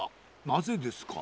なぜですか？